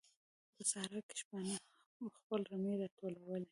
په صحراء کې شپانه خپل رمې راټولوي.